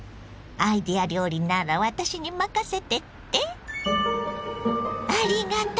アイデア料理なら私に任せてって⁉ありがとう！